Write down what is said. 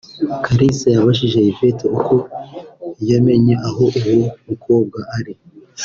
Kalisa yabajije Yvette uko yamenye aho uwo mukobwa ari